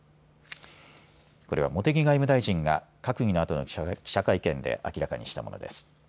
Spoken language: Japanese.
これは茂木外務大臣が閣議のあとの記者会見で明らかにしたものです。